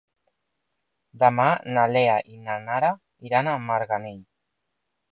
Demà na Lea i na Nara iran a Marganell.